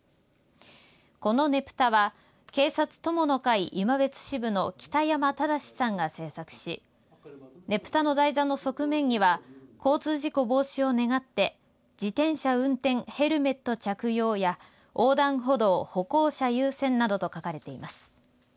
このねぷたは警察友の会今別支部の北山正さんが制作しねぷたの台座の側面には交通事故防止を願って自転車運転、ヘルメット着用や横断歩道、歩行者優先などと書かれています。